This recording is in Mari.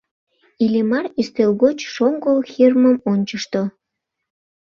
Иллимар ӱстел гоч шоҥго Хирмым ончышто.